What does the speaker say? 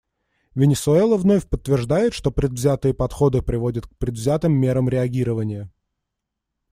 Венесуэла вновь подтверждает, что предвзятые подходы приводят к предвзятым мерам реагирования.